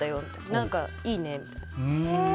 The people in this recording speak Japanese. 何かいいね、みたいな。